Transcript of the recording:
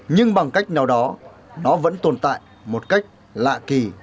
nhưng bằng cách nào đó nó vẫn tồn tại một cách lạ kỳ